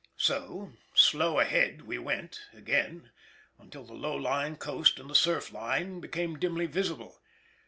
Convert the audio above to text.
So "slow ahead" we went again, until the low lying coast and the surf line became dimly visible.